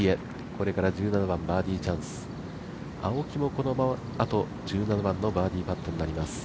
これから１７番、バーディーチャンス青木もこのあと１７番のバーディーパットになります。